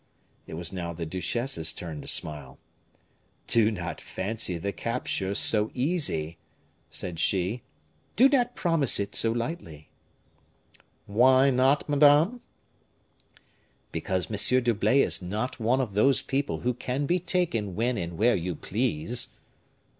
It was now the duchesse's turn to smile. "Do not fancy the capture so easy," said she; "do not promise it so lightly." "Why not, madame?" "Because M. d'Herblay is not one of those people who can be taken when and where you please."